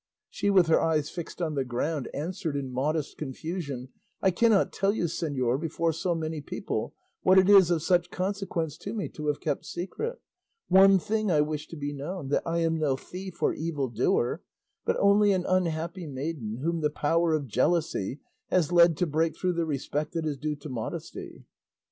She with her eyes fixed on the ground answered in modest confusion, "I cannot tell you, señor, before so many people what it is of such consequence to me to have kept secret; one thing I wish to be known, that I am no thief or evildoer, but only an unhappy maiden whom the power of jealousy has led to break through the respect that is due to modesty."